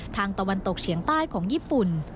ตะวันตกเฉียงใต้ของญี่ปุ่น